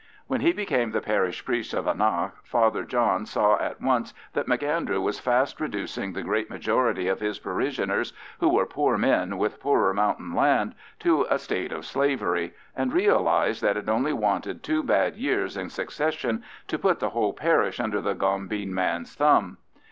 When he became the parish priest of Annagh, Father John saw at once that M'Andrew was fast reducing the great majority of his parishioners, who were poor men with poorer mountain land, to a state of slavery, and realised that it only wanted two bad years in succession to put the whole parish under the gombeen man's thumb.